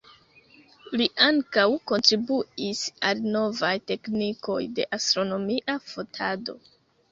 Li ankaŭ kontribuis al novaj teknikoj de astronomia fotado.